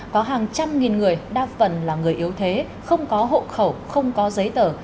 có hàng trăm nghìn người đa phần là người yếu thế không có hộ khẩu không có giấy tờ